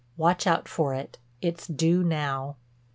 Watch out for it—it's due now."